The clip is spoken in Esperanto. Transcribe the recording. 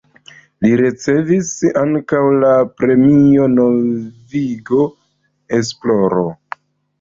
Li ricevis ankaŭ la Premion Novigo Esploro.